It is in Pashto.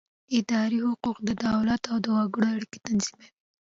اداري حقوق د دولت او وګړو اړیکې تنظیموي.